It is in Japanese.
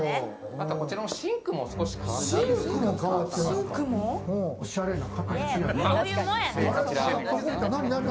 こちらのシンクも少し変わっている。